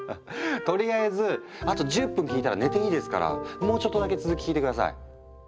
とりあえずあと１０分聞いたら寝ていいですからもうちょっとだけ続き聞いて下さい。